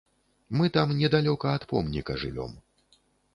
Мы там, недалёка ад помніка, жывём.